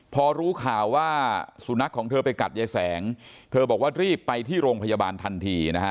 พอรู้ข่าวว่าสุนัขของเธอไปกัดยายแสงเธอบอกว่ารีบไปที่โรงพยาบาลทันทีนะฮะ